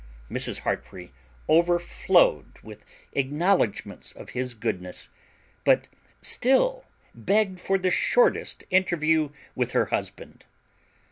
Mrs. Heartfree overflowed with acknowledgments of his goodness, but still begged for the shortest interview with her husband.